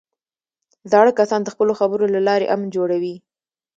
زاړه کسان د خپلو خبرو له لارې امن جوړوي